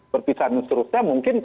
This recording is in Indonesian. berpisahan yang seterusnya mungkin